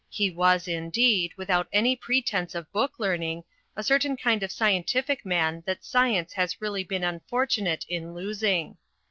He was, indeed, without any pretence of book learning, a certain kind of scientific man that science has really been unfortunate in losing.